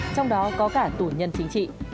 trong đó có cả tù nhân chính trị